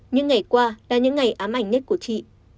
những ngày qua là những ngày ám ảnh nhất của chị